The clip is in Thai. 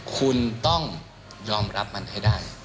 คุณต้องยอมรับมันให้ได้